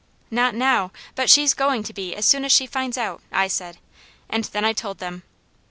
"Not now, but she's going to be as soon as she finds out," I said, and then I told them.